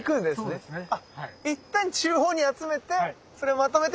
そうですねはい。